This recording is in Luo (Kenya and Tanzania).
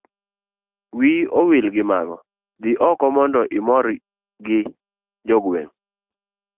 wiyi owil gi mago dhi oko mondo imorgi jogweng'